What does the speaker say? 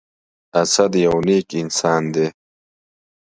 اسد يو نیک انسان دی.